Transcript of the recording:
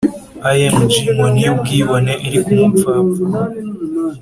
Img inkoni y ubwibone iri ku mupfapfa